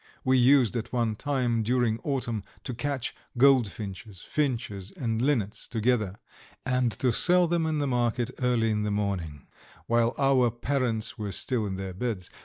We used at one time, during autumn, to catch goldfinches, finches, and linnets together, and to sell them in the market early in the morning, while our parents were still in their beds.